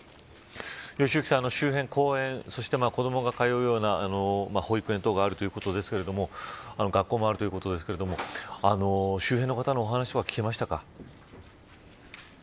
良幸さん、周辺公園子どもが通うような保育園とかがあるということですが学校もあるということですが周辺の方のお話は聞けましたか。